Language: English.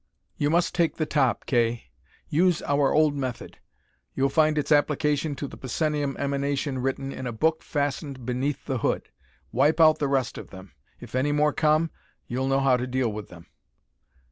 "You must take the top, Kay. Use our old method. You'll find its application to the psenium emanation written in a book fastened beneath the hood. Wipe out the rest of them. If any more come, you'll know how to deal with them."